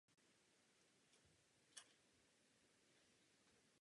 Nesmíme ze strany Evropské unie připustit jakoukoliv dvojznačnost.